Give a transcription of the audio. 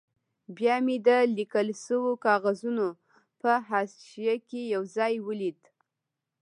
بیا مې د لیکل شوو کاغذونو په حاشیه کې یو ځای ولید.